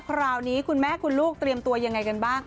คราวนี้คุณแม่คุณลูกเตรียมตัวยังไงกันบ้าง